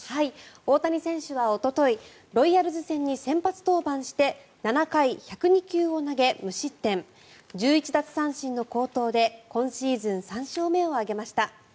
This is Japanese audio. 大谷選手はおとといロイヤルズ戦に先発登板して７回１０２球を投げ無失点１１奪三振の好投で今シーズン３勝目を挙げました。